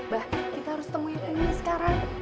bahkan kita harus temuin ini sekarang